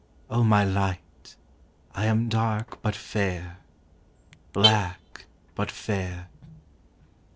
O my light, I am dark but fair, Black but fair.